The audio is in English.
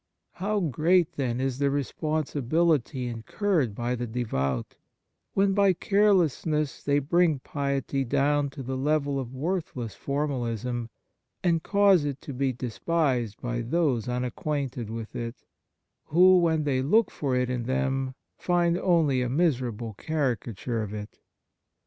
How great, then, is the responsi bility incurred by the devout, when, by carelessness, they bring piety down to the level of worthless formalism, and cause it to be de spised by those unacquainted with it, who, when they look for it in them, find only a miserable caricature of it.